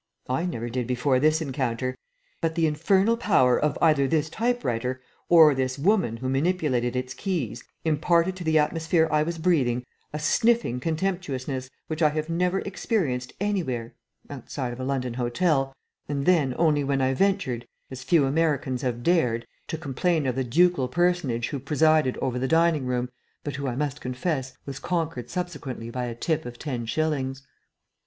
I never did before this encounter, but the infernal power of either this type writer or this woman who manipulated its keys imparted to the atmosphere I was breathing a sniffing contemptuousness which I have never experienced anywhere outside of a London hotel, and then only when I ventured, as few Americans have dared, to complain of the ducal personage who presided over the dining room, but who, I must confess, was conquered subsequently by a tip of ten shillings.